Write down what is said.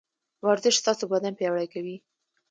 ورزش ستاسو بدن پياوړی کوي.